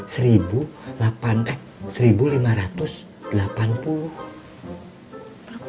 sekarang tuh liat tinggal seribu delapan eh seribu lima ratus delapan puluh tiga